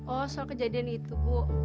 oh soal kejadian itu bu